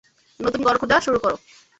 নতুন ঘর খোঁজা শুরু করো।